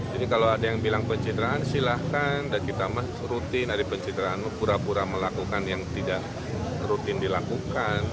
jadi kalau ada yang bilang pencitraan silahkan dan kita mah rutin dari pencitraan pura pura melakukan yang tidak rutin dilakukan